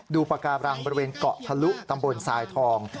ปากการังบริเวณเกาะทะลุตำบลทรายทอง